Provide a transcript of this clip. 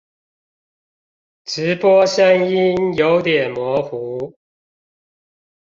直播聲音有點模糊